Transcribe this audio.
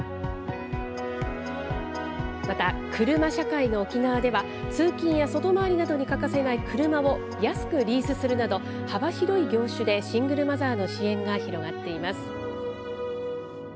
また、車社会の沖縄では、通勤や外回りなどに欠かせない車を安くリースするなど、幅広い業種でシングルマザーの支援が広がっています。